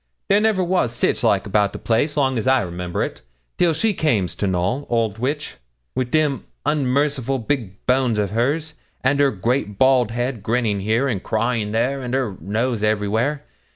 There never was sich like about the place, long as I remember it, till she came to Knowl, old witch! with them unmerciful big bones of hers, and her great bald head, grinning here, and crying there, and her nose everywhere.